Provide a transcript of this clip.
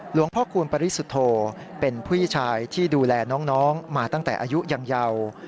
พ่อคูณปริสุทธโธเป็นผู้ชายที่ดูแลน้องมาตั้งแต่อายุยังเยาว์